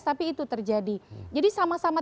tapi itu terjadi jadi sama sama